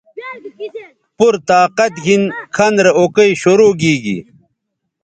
پورطاقت گھن کھن رے اوکئ شرو گیگی